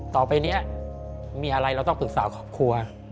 ต่อไปนี้มีอะไรเราต้องปรึกษาครอบครัว